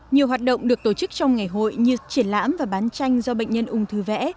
nhiều hoạt động được tổ chức trong ngày hội như triển lãm và bán tranh do bệnh nhân ung thư vẽ